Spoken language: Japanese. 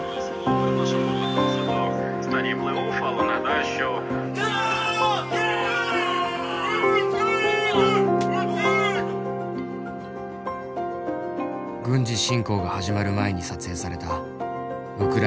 軍事侵攻が始まる前に撮影されたウクライナ代表の写真。